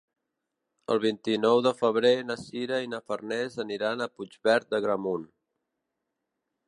El vint-i-nou de febrer na Sira i na Farners aniran a Puigverd d'Agramunt.